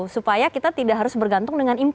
supaya kita tidak harus bergantung dengan impor